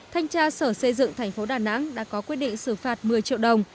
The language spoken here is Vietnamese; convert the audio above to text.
thanh tra sở xây dựng tp đà nẵng đã có quyết định xử phạt một mươi triệu đồng